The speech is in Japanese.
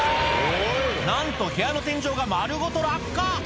なんと部屋の天井が丸ごと落下！